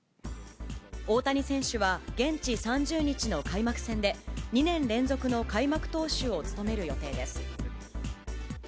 大谷選手は現地３０日の開幕戦で、２年連続の開幕投手を務める予定です。